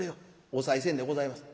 おさい銭でございます。